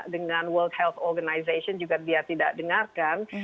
dengan world health organization juga dia tidak dengarkan